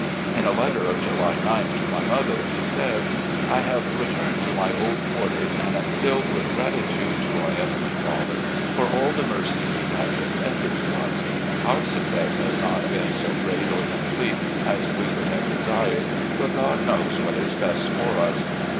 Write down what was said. In a letter of July 9th, to my mother, he says: ARMY LIFE OP ROBERT THE YOUNGER 75 . I have returned to my old quarters and am filled with gratitude to our Heavenly Father for all the mercies He has extended to us. Our success has not been so great or complete as we could have desired, but God knows what is best for us.